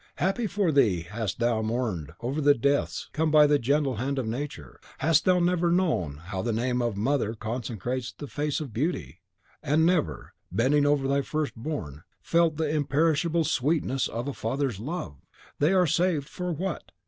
Happy for thee hadst thou mourned over the deaths which come by the gentle hand of Nature, hadst thou never known how the name of mother consecrates the face of Beauty, and never, bending over thy first born, felt the imperishable sweetness of a father's love! They are saved, for what?